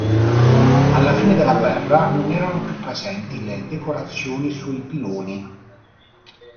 Alla fine della guerra non erano più presenti le decorazioni sui piloni.